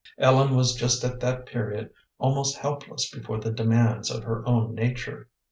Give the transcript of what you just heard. Ellen was just at that period almost helpless before the demands of her own nature.